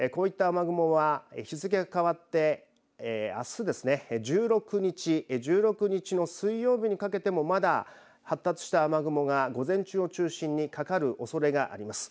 こういった雨雲は日付が変わって、あすですね１６日の水曜日にかけてもまだ発達した雨雲が午前中を中心にかかるおそれがあります。